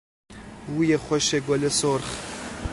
بوی خوش گل سرخ